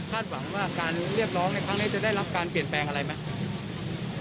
หวังว่าการเรียกร้องในครั้งนี้จะได้รับการเปลี่ยนแปลงอะไรไหม